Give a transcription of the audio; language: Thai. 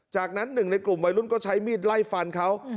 จากนั้นหนึ่งในกลุ่มวัยรุ่นก็ใช้มีดไล่ฟันเขา